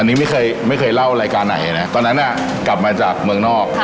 อันนี้ไม่เคยไม่เคยเล่ารายการไหนนะตอนนั้นกลับมาจากเมืองนอก